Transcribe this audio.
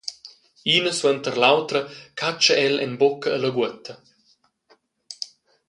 Ina suenter l’autra catscha el en bucca e laguota.